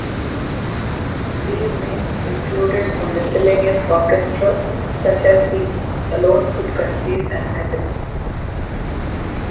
These means included a miscellaneous orchestra such as he alone could conceive and handle.